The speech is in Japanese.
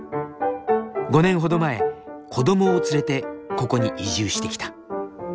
５年ほど前子どもを連れてここに移住してきた。